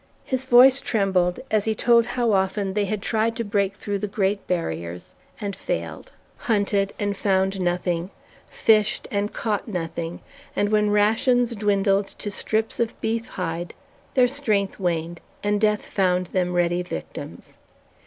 His voice trembled as he told how often they had tried to break through the great barriers, and failed; hunted, and found nothing; fished, and caught nothing; and when rations dwindled to strips of beef hide, their strength waned, and death found them ready victims.